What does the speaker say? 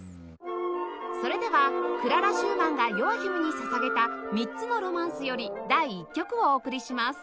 それではクララ・シューマンがヨアヒムに捧げた『３つのロマンス』より第１曲をお送りします